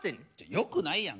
よくないやん。